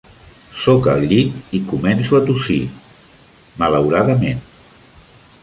Soc al llit i començo a tossir, malauradament.